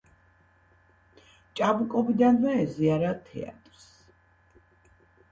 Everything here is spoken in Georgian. ჭაბუკობიდანვე ეზიარა თეატრს.